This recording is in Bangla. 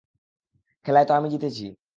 খেলায় তো আমি জিতেছি।